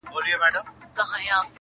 • ژوند راته لنډوکی د شبنم راکه,